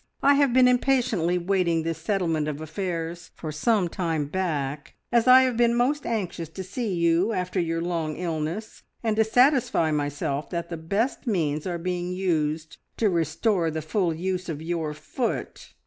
I have been impatiently waiting this settlement of affairs for some time back, as I have been most anxious to see you after your long illness, and to satisfy myself that the best means are being used to restore the full use of your foot.